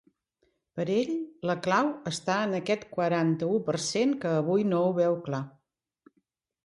Per ell, la clau està en aquest quaranta-u per cent que avui no ho veu clar.